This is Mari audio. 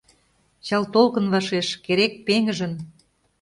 Чал толкын вашеш, керек пеҥыжын